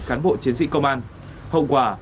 cán bộ chiến sĩ công an hậu quả